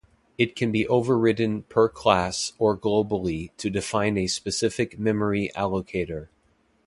It can be overridden per class or globally to define a specific memory allocator.